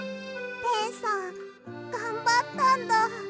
ペンさんがんばったんだ。